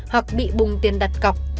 hoặc bị bùng tiền đặt cọc